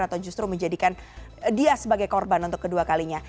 atau justru menjadikan dia sebagai korban untuk kedua kalinya